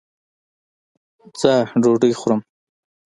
ځه ډوډي خورم